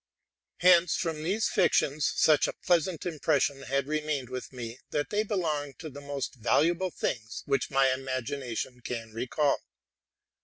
Hence, from these fictions, such a pleasant impression has remained with me, that they belong to the most valuable things which my imagination can recall.